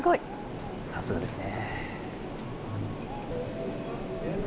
さすがですね。